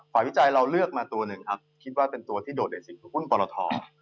ฝ่าวิจัยเราเลือกมาตัวหนึ่งคิดว่าเป็นตัวที่โดดเด็ดสิทธิ์คุณปรทอ